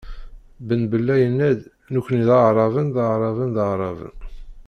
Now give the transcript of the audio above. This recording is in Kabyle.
Ben Bella yenna-d : "Nekni d aɛraben, d aɛraben, d aɛraben".